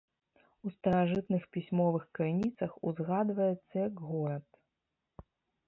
У старажытных пісьмовых крыніцах узгадваецца як горад.